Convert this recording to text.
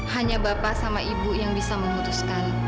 hanya bapak sama ibu yang bisa memutuskan